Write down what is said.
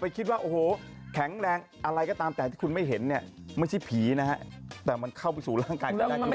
ไปก่อนพุทธีกลับมาเจอกันใหม่กับคราวสายไข่